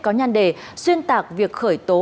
có nhan đề xuyên tạc việc khởi tố